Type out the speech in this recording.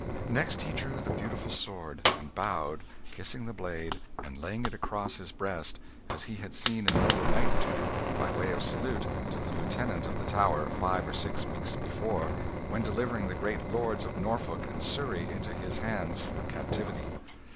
Next he drew the beautiful sword, and bowed, kissing the blade, and laying it across his breast, as he had seen a noble knight do, by way of salute to the lieutenant of the Tower, five or six weeks before, when delivering the great lords of Norfolk and Surrey into his hands for captivity.